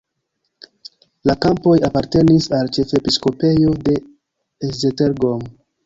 La kampoj apartenis al ĉefepiskopejo de Esztergom.